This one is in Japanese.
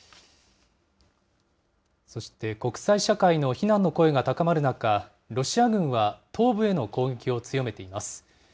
そして、国際社会の非難の声が高まる中、ロシア軍は、東部への攻撃を強めています。